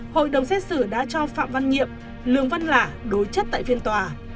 hội đồng xét xử đã cho phạm văn nhiệm lương văn lả đối chất tại phiên tòa